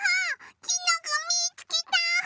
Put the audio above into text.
きのこみつけた！